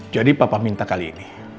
jadi papa minta kali ini